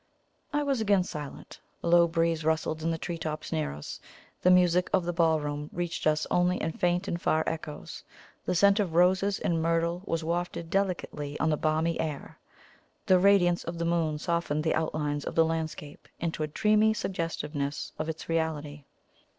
I was again silent. A low breeze rustled in the tree tops near us; the music of the ballroom reached us only in faint and far echoes; the scent of roses and myrtle was wafted delicately on the balmy air; the radiance of the moon softened the outlines of the landscape into a dreamy suggestiveness of its reality.